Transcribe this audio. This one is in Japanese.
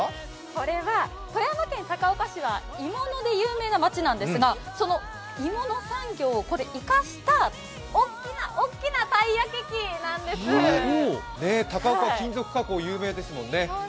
これは富山県高岡市は鋳物で有名な町なんですが、その鋳物産業を生かした大きな大きな、たい焼き器なんです高岡、金属加工有名ですもんね。